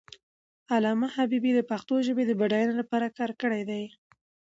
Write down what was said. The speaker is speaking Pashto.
علامه حبیبي د پښتو ژبې د بډاینې لپاره کار کړی دی.